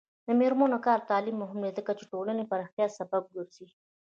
د میرمنو کار او تعلیم مهم دی ځکه چې ټولنې پراختیا سبب ګرځي.